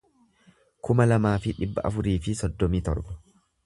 kuma lamaa fi dhibba afurii fi soddomii torba